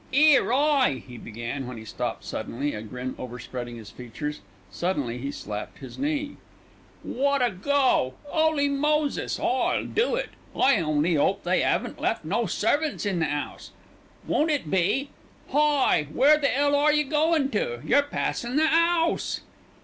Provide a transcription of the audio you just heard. "'Ere! Hi!" he began, when he stopped suddenly, a grin overspreading his features. Suddenly he slapped his knee. "Wot a go! 'Oly Moses, I'll do it! I only 'ope they 'aven't left no servants in the 'ouse. Won't it be Hi, where the 'ell are you goin' to? You're passin' the 'ouse."